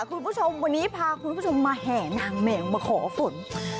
คุณผู้ชมวันนี้พาคุณผู้ชมมาแห่นางแมวมาขอฝน